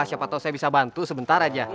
siapa tau saya bisa bantu sebentar aja